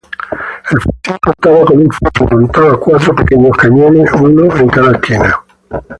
El fortín contaba con un foso y montaba cuatro pequeños cañones, uno por lado.